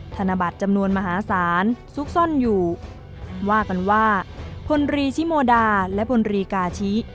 ธนบัตรจำนวนมหาศาลซุกซ่อนอยู่ว่ากันว่าพลรีชิโมดาและพลรีกาชิ